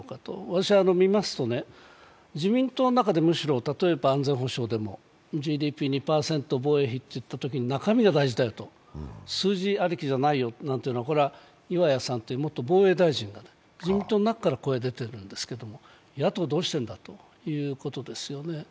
私は見ますと、自民党の中でむしろ安全保障でもＧＤＰ２％、防衛費といったときに、中身が大事だよと、数字ありきじゃないよというのはいわやさんという元防衛大臣の自民党の中から声が出てるんですけど、野党どうしているんだということですよね？